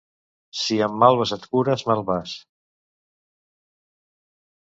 Si amb malves et cures mal vas.